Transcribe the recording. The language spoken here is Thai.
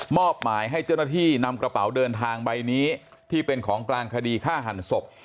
อบหมายให้เจ้าหน้าที่นำกระเป๋าเดินทางใบนี้ที่เป็นของกลางคดีฆ่าหันศพ